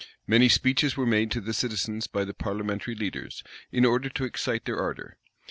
Many speeches were made to the citizens by the parliamentary leaders, in order to excite their ardor.